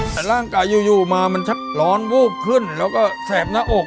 แต่ร่างกายอยู่มามันชักร้อนวูบขึ้นแล้วก็แสบหน้าอก